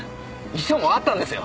遺書もあったんですよ？